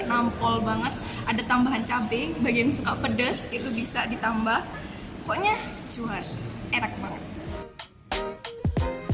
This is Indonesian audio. nampol banget ada tambahan cabai bagi yang suka pedas itu bisa ditambah pokoknya cuan enak banget